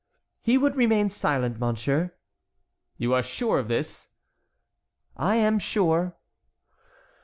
"He would remain silent, monsieur." "You are sure of this?" "I am sure."